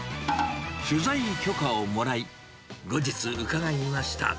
取材許可をもらい、後日、伺いました。